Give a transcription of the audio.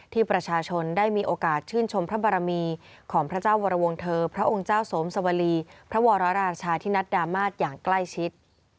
ที่ประชาชนได้มีโอกาสชื่นชมพระบารมีของพระเจ้าวรวงเธอพระองค์เจ้าสวมสวรีพระวรราชาธินัดดามาศอย่างใกล้ชิด